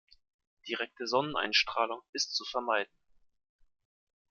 Direkte Sonneneinstrahlung ist zu vermeiden.